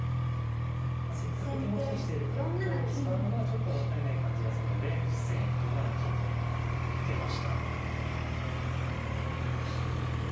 まあせっかく手持ちにしている角を使うのはちょっともったいない感じがするので実戦４七金と受けました。